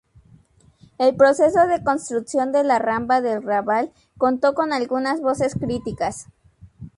El proceso de construcción de la Rambla del Raval contó con algunas voces críticas.